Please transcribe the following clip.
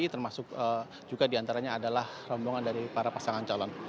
termasuk juga diantaranya adalah rombongan dari para pasangan calon